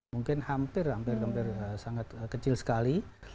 mungkin hampir hampir sangat kecil sekali